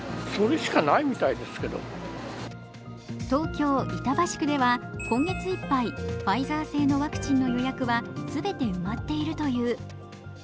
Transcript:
東京・板橋区では今月いっぱいファイザー製のワクチンの予約は全て埋まっているという。